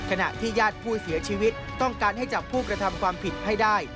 ขณะที่ญาติผู้เสียชีวิตต้องการให้จับผู้กระทำความผิดให้ได้